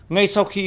ngay sau khi